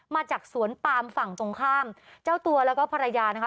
มาจากสวนปามฝั่งตรงข้ามเจ้าตัวแล้วก็ภรรยานะคะ